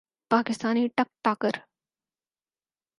Pakistani ٹک talker